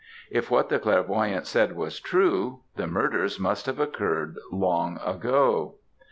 If what the clairvoyante said was true, the murders must have occurred long ago.